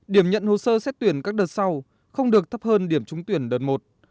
điểm nhận hồ sơ xét tuyển các đợt sau không được thấp hơn điểm trúng tuyển đợt một